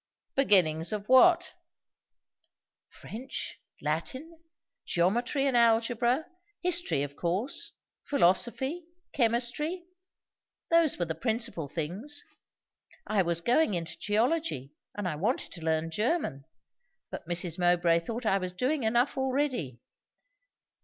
"Beginnings of what?" "French, Latin, geometry and algebra, history of course, philosophy, chemistry, those were the principal things. I was going into geology, and I wanted to learn German; but Mrs. Mowbray thought I was doing enough already."